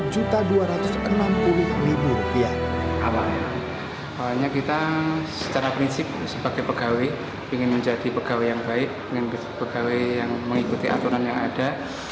soalnya kita secara prinsip sebagai pegawai ingin menjadi pegawai yang baik ingin pegawai yang mengikuti aturan yang ada